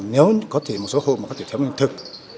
nếu có thể một số hộ mà có thể thiếu lương thực